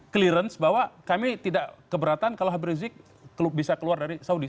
clearance bahwa kami tidak keberatan kalau habib rizik bisa keluar dari saudi